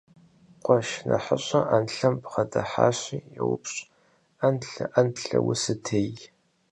Къуэш нэхъыщӀэр Ӏэнлъэм бгъэдыхьащи йоупщӀ: – Ӏэнлъэ, Ӏэнлъэ, усытей?